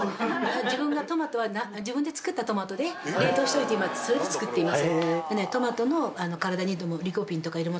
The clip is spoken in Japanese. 自分で作ったトマトで冷凍しといてそれで作っています。